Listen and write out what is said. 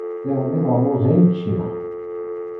Iḍelli d rruẓ ay ččiɣ.